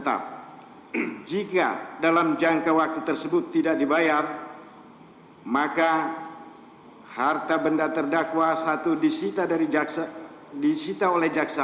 tiga menjatuhkan pidana kepada terdakwa dua subiharto